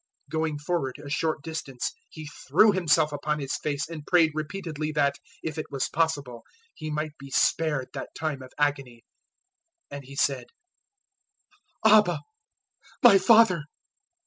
014:035 Going forward a short distance He threw Himself upon His face and prayed repeatedly that, if it was possible, He might be spared that time of agony; 014:036 and He said, "Abba! my Father!